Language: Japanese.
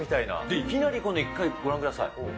いきなり１階、ご覧ください。